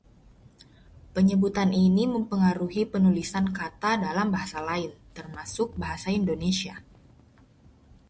Penyebutan ini mempengaruhi penulisan kata dalam bahasa lain, termasuk bahasa Indonesia.